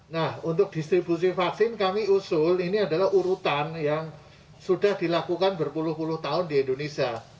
nah untuk distribusi vaksin kami usul ini adalah urutan yang sudah dilakukan berpuluh puluh tahun di indonesia